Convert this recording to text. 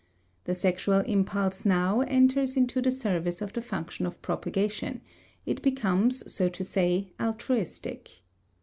The sexual impulse now enters into the service of the function of propagation; it becomes, so to say, altruistic.